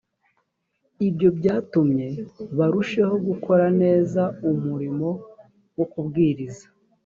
ibyo byatumye barusheho gukora neza umurimo wo kubwiriza